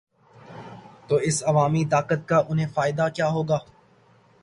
تو اس عوامی طاقت کا انہیں فائدہ کیا ہو گا؟